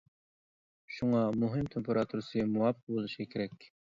شۇڭا مۇھىت تېمپېراتۇرىسى مۇۋاپىق بولۇشى كېرەك.